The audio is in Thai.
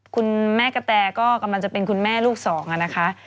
คุณแม่กระแตก็กำลังจะเป็นคุณแม่ลูกสองนะคะ